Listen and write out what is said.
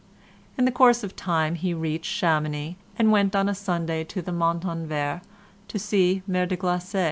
In the course of time he reached Chamonix and went on a Sunday to the Montanvert to see the Mer de Glace.